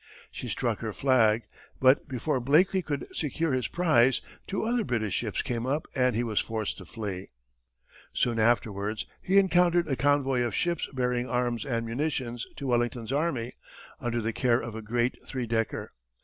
She struck her flag, but before Blakeley could secure his prize, two other British ships came up and he was forced to flee. Soon afterwards, he encountered a convoy of ships bearing arms and munitions to Wellington's army, under the care of a great three decker.